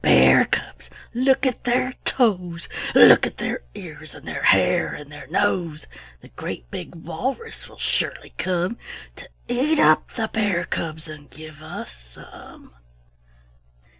Bear cubs! Look at their toes; Look at their ears and their hair and their nose. The great big walrus will surely come To eat up the bear cubs and give us some."